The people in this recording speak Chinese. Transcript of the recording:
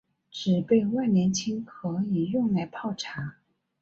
紫背万年青可以用来泡茶。